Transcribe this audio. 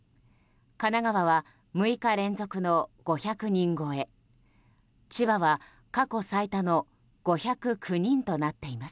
神奈川は６日連続の５００人超え千葉は過去最多の５０９人となっています。